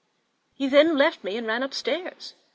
He then left me, and ran upstairs.